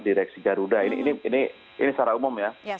direksi garuda ini secara umum ya